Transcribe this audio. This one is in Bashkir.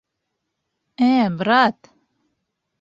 Ә, брат?!